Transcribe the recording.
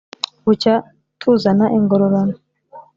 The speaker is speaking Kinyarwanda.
bucya tuzana ingororano,